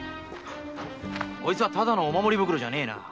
こいつはただのお守り袋じゃねえな。